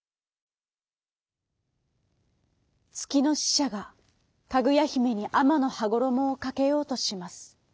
つきのししゃがかぐやひめにあまのはごろもをかけようとします。